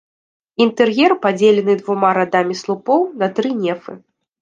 Інтэр'ер падзелены двума радамі слупоў на тры нефы.